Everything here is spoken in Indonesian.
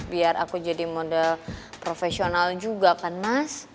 biar aku jadi model profesional juga kan mas